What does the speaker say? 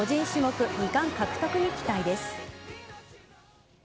種目２冠獲得に期待です。